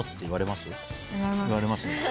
言われます。